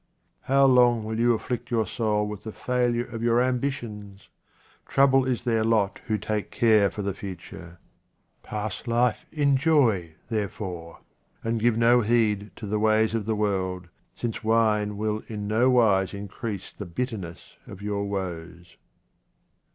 How long will you afflict your soul with the failure of your ambitions ? Trouble is their lot who take care for the future. Pass life in joy, therefore, and give no heed to the ways of the world, since wine will in no wise increase the bitterness of your woes.